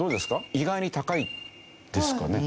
意外に高いですかね。